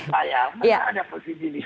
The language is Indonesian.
mas adi ada posisi nih